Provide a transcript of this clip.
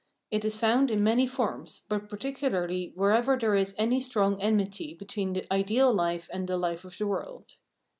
It is found in many forms, but par ticularly wherever there is any strong enmity between the "ideal" life and the "life of the world."